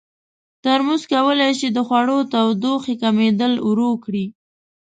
ترموز کولی شي د خوړو تودوخې کمېدل ورو کړي.